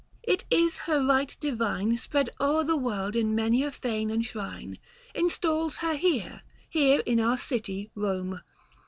It is her right divine Spread o'er the world in many a fane and shrine, Installs her here, here in our city Kome.